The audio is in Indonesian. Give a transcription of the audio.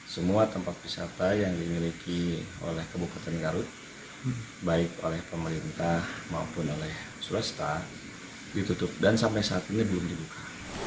semua tempat wisata yang dimiliki oleh kabupaten garut baik oleh pemerintah maupun oleh swasta ditutup dan sampai saat ini belum dibuka